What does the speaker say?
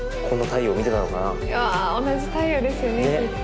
同じ太陽ですよねきっと。